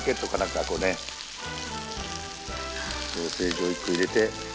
ソーセージを１個入れて。